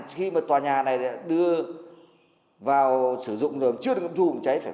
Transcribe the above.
khi mà tòa nhà này đã đưa vào sử dụng rồi mà chưa được nghiệm thu phòng cháy chữa cháy